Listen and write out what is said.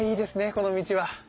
この道は。